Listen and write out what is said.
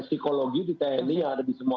psikologi di tni yang ada di semua